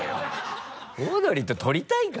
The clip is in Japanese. オードリーと撮りたいか？